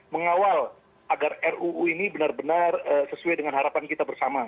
mengawal agar ruu ini benar benar sesuai dengan harapan kita bersama